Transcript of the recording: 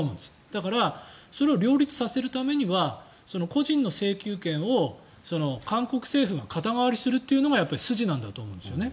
だからそれを両立させるためには個人の請求権を韓国政府が肩代わりするというのが筋なんだと思うんですね。